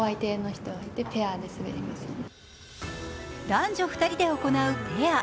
男女２人で行うペア。